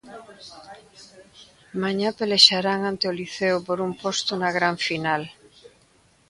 Mañá pelexarán ante o Liceo por un posto na gran final.